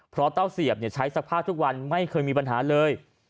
เพราะเต้าเสียบใช้ซักผ้าทุกวันไม่เคยมีปัญหาเลย